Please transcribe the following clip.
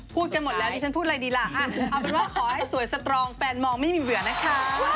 กันหมดแล้วดิฉันพูดอะไรดีล่ะเอาเป็นว่าขอให้สวยสตรองแฟนมองไม่มีเบื่อนะคะ